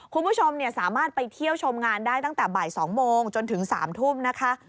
คุณผู้ชมสามารถไปเที่ยวชมงานได้ตั้งแต่บ่าย๒โมงจนถึง๓ทุ่มนะคะ